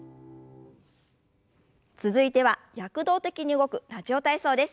続いては躍動的に動く「ラジオ体操」です。